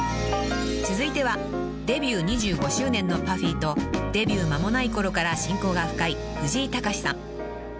［続いてはデビュー２５周年のＰＵＦＦＹとデビュー間もないころから親交が深い藤井隆さん］